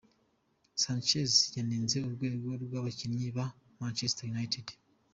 Sanchez yanenze urwego rw’abakinnyi ba Manchester United.